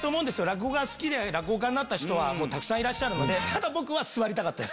落語が好きで落語家になった人はたくさんいらっしゃるので。